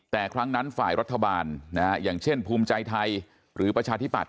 แต่ครั้งนั้นฝ่ายรัฐบาลอย่างเช่นภูมิใจไทยหรือประชาธิปัต